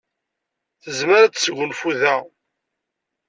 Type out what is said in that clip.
Tezmer ad tesgunfu da.